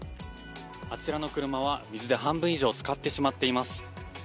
あちらの車は水で半分以上つかってしまっています。